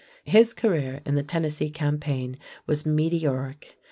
His career in the Tennessee campaign was meteoric.